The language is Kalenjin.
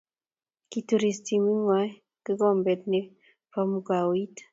Kituris timit ng'wang kokombet ne bo mkoit.